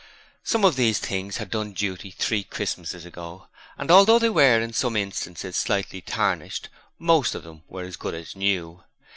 Some of these things had done duty three Christmases ago and although they were in some instances slightly tarnished most of them were as good as new.